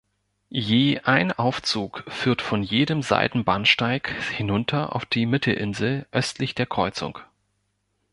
Je ein Aufzug führt von jedem Seitenbahnsteig hinunter auf die Mittelinsel östlich der Kreuzung.